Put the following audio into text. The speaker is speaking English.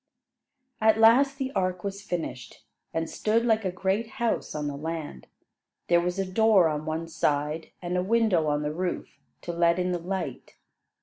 At last the ark was finished, and stood like a great house on the land. There was a door on one side, and a window on the roof, to let in the light.